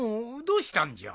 どうしたんじゃ？